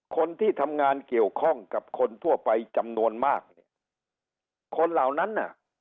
คนที่ทำงานเกี่ยวข้องกับคนทั่วไปจำนวนมากเนี่ยคนเหล่านั้นน่ะ